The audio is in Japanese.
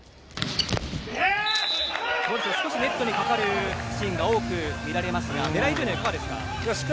少しネットにかかるシーンが多く見られますが狙いというのはいかがですか？